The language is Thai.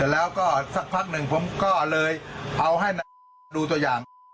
แล้วก็สักพักหนึ่งผมก็เลยเอาให้มาดูตัวอย่าง